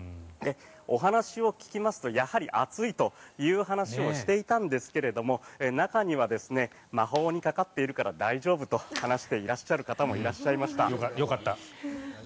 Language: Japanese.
お話を聞きますとやはり暑いという話をしていたんですが中には魔法にかかっているから大丈夫と話していらっしゃる方もいらっしゃいました。